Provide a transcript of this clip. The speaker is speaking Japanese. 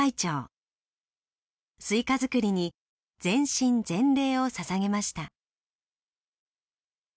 スイカ作りに全身全霊を捧げました。